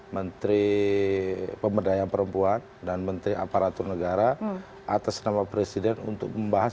menteri pemberdayaan perempuan dan menteri aparatur negara atas nama presiden untuk membahas